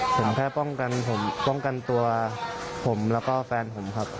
ผมแค่ป้องกันตัวผมแล้วก็แฟนผมครับ